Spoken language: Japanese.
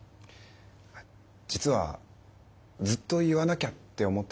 実はずっと言わなきゃって思ってたことがあるんですけど。